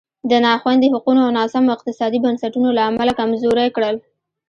د نا خوندي حقونو او ناسمو اقتصادي بنسټونو له امله کمزوری کړل.